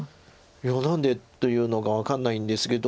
いや何でというのが分かんないんですけど。